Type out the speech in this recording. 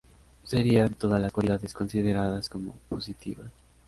Serían todas la cualidades consideradas como "positivas".